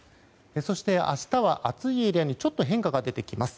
そして、明日は暑いエリアにちょっと変化が出てきます。